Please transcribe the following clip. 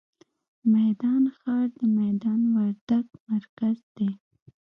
میدان ښار، د میدان وردګ مرکز دی.